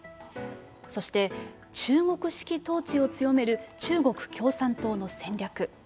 そして中国式統治を強める中国共産党の戦略。